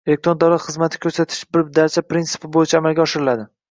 elektron davlat xizmati ko‘rsatish “bir darcha” prinsipi bo‘yicha amalga oshiriladi